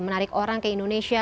menarik orang ke indonesia